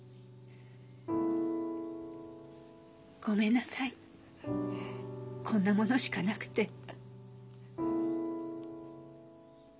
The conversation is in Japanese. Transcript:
ごめんなさいこんなものしかなくて。